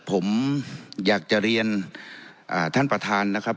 ผมอยากจะเรียนท่านประธานนะครับ